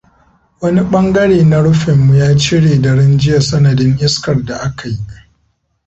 Wani ɓangare na rufinmu ya cire daren jiya sanadin iskar da aka yi.